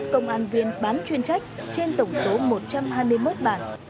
công an viên bán chuyên trách trên tổng số một trăm hai mươi một bản